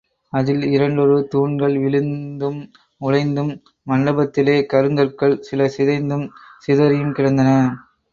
அதில் இரண்டொரு தூண்கள் விழுந்தும் உடைந்தும், மண்டபத்திலே கருங்கற்கள் சில சிதைந்தும், சிதறியும் கிடந்தன.